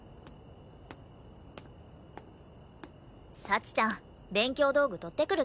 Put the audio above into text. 幸ちゃん勉強道具取ってくるって。